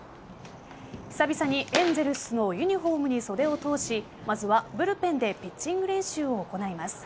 久々にエンゼルスのユニホームに袖を通しまずはブルペンでピッチング練習を行います。